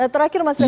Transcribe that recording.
terakhir mas revo